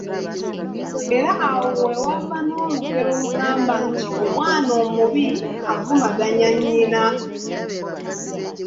Era awo we wava n’olugero olugamba nti, “Omwana omubi avumaganya nnyina.”